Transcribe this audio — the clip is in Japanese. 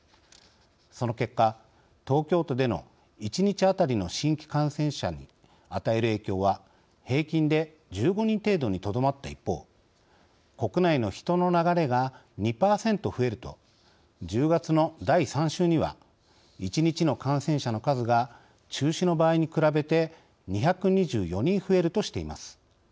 その結果東京都での１日当たりの新規感染者に与える影響は平均で１５人程度にとどまった一方国内の人の流れが２％増えると１０月の第３週には１日の感染者の数が中止の場合に比べて２２４人増えるとしています。